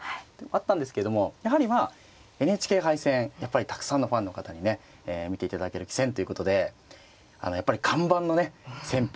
あったんですけどもやはりまあＮＨＫ杯戦やっぱりたくさんのファンの方にね見ていただける棋戦ということでやっぱり看板のね戦法